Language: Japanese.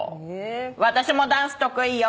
私もダンス得意よ。